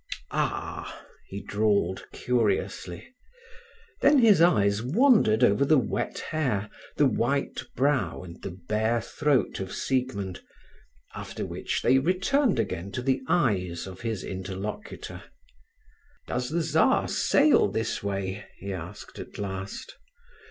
"Ah!" he drawled curiously. Then his eyes wandered over the wet hair, the white brow, and the bare throat of Siegmund, after which they returned again to the eyes of his interlocutor. "Does the Czar sail this way?" he asked at last.